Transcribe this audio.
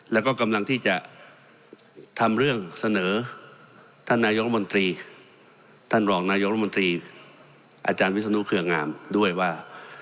แล้วก็กำลังที่จะทำเรื่องเสนอท่านนายกรมนตรีท่านรองนายกรมนตรีอาจารย์วิศนุเครืองามด้วยว่า